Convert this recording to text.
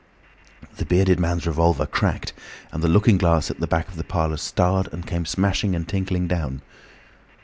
The bearded man's revolver cracked and the looking glass at the back of the parlour starred and came smashing and tinkling down.